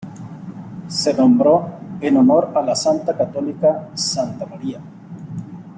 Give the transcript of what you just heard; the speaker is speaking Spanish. Se nombró en honor a la santa católica Santa María.